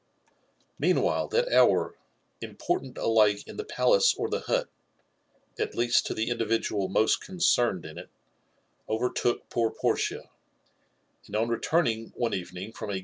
Meanwhile that hour, important alike in the palace or the hut— at least to the individual 'most concerned in it — overtook poor Portia; and on returning one evening from a